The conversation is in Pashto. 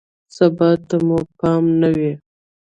ثبات ته مو پام نه وي.